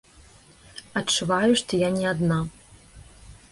Адчуваю, што я не адна.